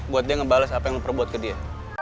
buat dia ngebales apa yang lo perbuat ke dia